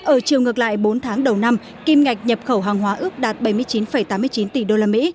ở chiều ngược lại bốn tháng đầu năm kim ngạch nhập khẩu hàng hóa ước đạt bảy mươi chín tám mươi chín tỷ usd